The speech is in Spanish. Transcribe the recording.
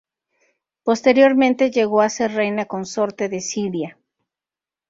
Posteriormente llegó a ser reina consorte de Siria.